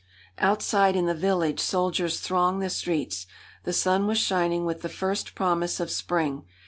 Outside, in the village, soldiers thronged the streets. The sun was shining with the first promise of spring.